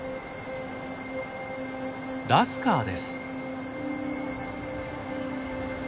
ラスカーです。